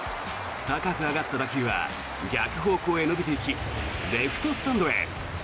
高く上がった打球は逆方向へ伸びていきレフトスタンドへ。